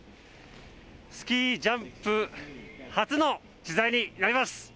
スキージャンプ初の取材になります。